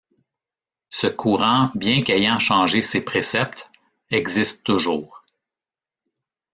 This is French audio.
Ce courant bien qu'ayant changé ses préceptes, existe toujours.